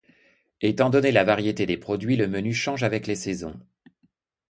Étant donné la variété des produits, le menu change avec les saisons.